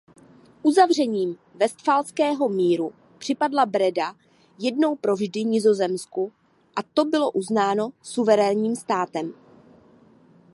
Uzavřením Vestfálského míru připadla Breda jednou provždy Nizozemsku a to bylo uznáno suverénním státem.